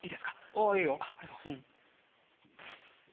あぁいいよ。ありがとうございます。